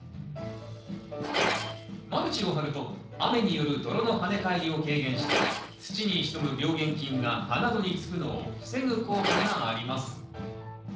マルチを張ると雨による泥の跳ね返りを軽減して土に潜む病原菌が葉などにつくのを防ぐ効果があります。